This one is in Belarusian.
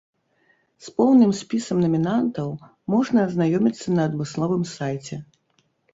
З поўным спісам намінантаў можна азнаёміцца на адмысловым сайце.